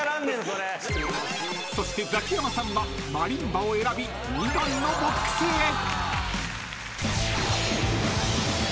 ［そしてザキヤマさんはマリンバを選び２番のボックスへ］